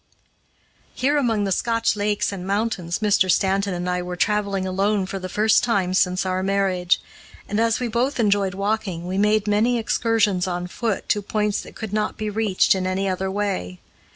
Here among the Scotch lakes and mountains Mr. Stanton and I were traveling alone for the first time since our marriage, and as we both enjoyed walking, we made many excursions on foot to points that could not be reached in any other way.